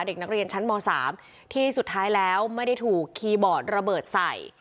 เด็กนักเรียนชั้นม๓ที่สุดท้ายแล้วไม่ได้ถูกคีย์บอร์ดระเบิดใส่